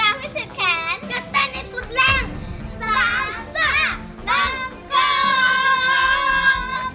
จะเต้นให้สุดแร่ง